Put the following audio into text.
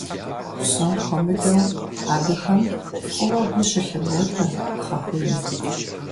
Псом хуэмыдэу абыхэм фӀыуэ гу щылъыботэ пхъэхуейм.